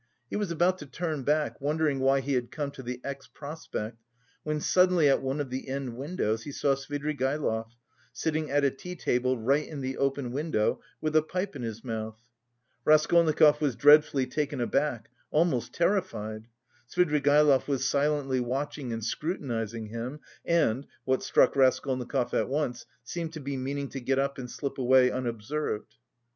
He was about to turn back wondering why he had come to the X. Prospect, when suddenly at one of the end windows he saw Svidrigaïlov, sitting at a tea table right in the open window with a pipe in his mouth. Raskolnikov was dreadfully taken aback, almost terrified. Svidrigaïlov was silently watching and scrutinising him and, what struck Raskolnikov at once, seemed to be meaning to get up and slip away unobserved.